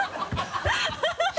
ハハハ